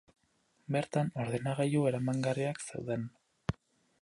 Bertan, ordenagilu eramangarriak zeuden.